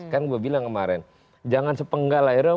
kan saya bilang kemarin jangan sepenggal lah